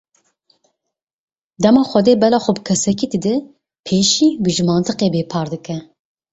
Dema Xwedê bela xwe bi kesekî dide, pêşî wî ji mantiqê bêpar dike.